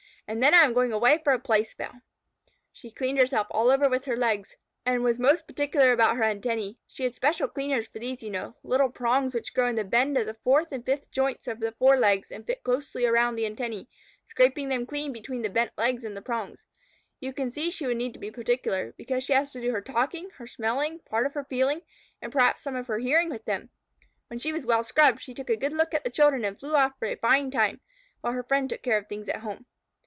"And then I am going away for a playspell." She cleaned herself all over with her legs, and was most particular about her antennæ. She had special cleaners for these, you know little prongs which grow in the bend of the fourth and fifth joints of the forelegs and fit closely around the antennæ, scraping them clean between the bent legs and the prongs. You can see she would need to be particular, because she had to do her talking, her smelling, part of her feeling, and perhaps some of her hearing with them. When she was well scrubbed, she took a good look at the children and flew off for a fine time, while her friend took care of things at home.